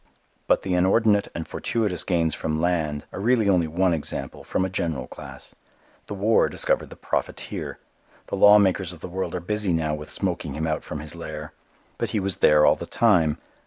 But the inordinate and fortuitous gains from land are really only one example from a general class. The war discovered the "profiteer." The law makers of the world are busy now with smoking him out from his lair. But he was there all the time.